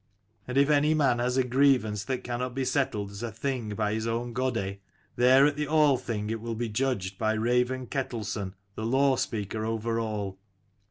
And if any man has a grievance that cannot be settled at a Thing by his own godi, there at the Althing it will be judged by Raven Ketelson the law speaker over all.